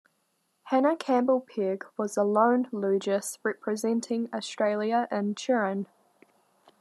Hannah Campbell-Pegg was the lone lugist representing Australia in Turin.